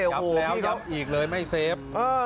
รับแล้วยับอีกเลยไม่เซฟ